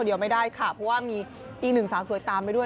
เดี๋ยวไม่ได้ค่ะเพราะว่ามีอีกหนึ่งสาวสวยตามไปด้วย